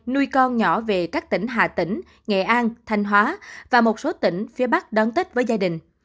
nuôi con nhỏ về các tỉnh hà tĩnh nghệ an thanh hóa và một số tỉnh phía bắc đón tết với gia đình